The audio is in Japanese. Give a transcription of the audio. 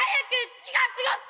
血がすごくて！